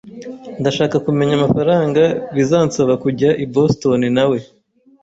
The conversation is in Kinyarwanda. Ndashaka kumenya amafaranga bizansaba kujya i Boston nawe.